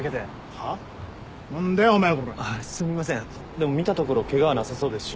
でも見たところケガはなさそうですし。